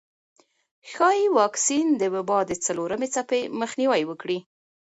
ښايي واکسین د وبا د څلورمې څپې مخنیوی وکړي.